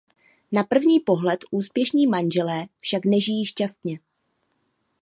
Na první pohled úspěšní manželé však nežijí šťastně.